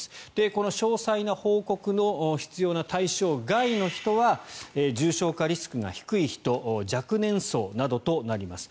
この詳細な報告の必要の対象外の人は重症化リスクが低い人若年層などとなります。